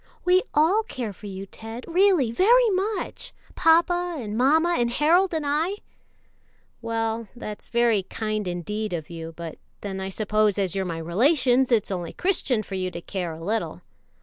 "We all care for you, Ted, really, very much papa and mamma and Harold and I." "Well, that's very kind indeed of you; but then I suppose, as you're my relations, it's only Christian for you to care a little."